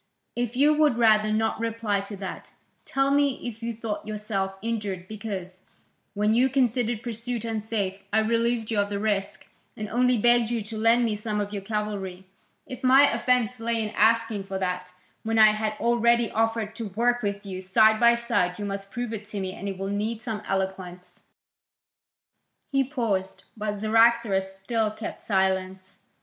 "If you would rather not reply to that, tell me if you thought yourself injured because, when you considered pursuit unsafe, I relieved you of the risk, and only begged you to lend me some of your cavalry? If my offence lay in asking for that, when I had already offered to work with you, side by side, you must prove it to me; and it will need some eloquence." He paused, but Cyaxares still kept silence.